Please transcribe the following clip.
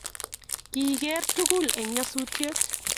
Kerkei tugul eng nyasutiet